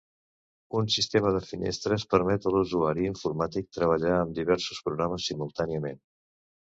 Un sistema de finestres permet a l'usuari informàtic treballar amb diversos programes simultàniament.